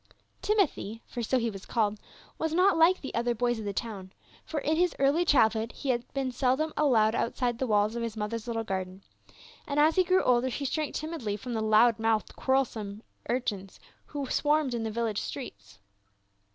Timothy — for so he was called — was not like the other boys of the town, for in his early childhood he had been seldom allowed outside the walls of his mother's little crarden, and as he grew older he shrank timidly from the loud mouthed quarrelsome urchins, who swarmed in the villa^je .streets.